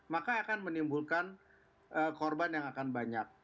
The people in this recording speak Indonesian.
maka akan menimbulkan korban yang akan banyak